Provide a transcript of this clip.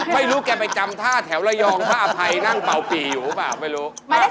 ไม่รู้แกไปจำท่าแถวระยองผ้าอภัยนั่งเบาปี่อยู่หรือเปล่าไม่รู้